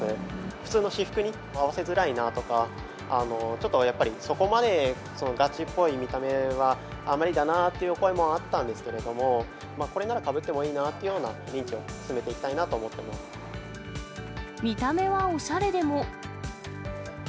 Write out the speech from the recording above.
普通の私服に合わせづらいなとか、ちょっとやっぱり、そこまでガチっぽい見た目はあんまりだなというお声もあったんですけれども、これならかぶってもいいなというような認知を進めて見た目はおしゃれでも。